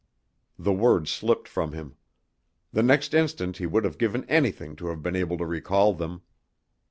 The words slipped from him. The next instant he would have given anything to have been able to recall them.